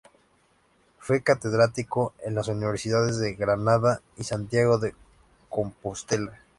Fue catedrático en las universidades de Granada y Santiago de Compostela.